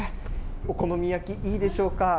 お好み焼き、いいでしょうか。